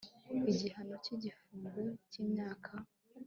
igihano cy igifungo cy imyaka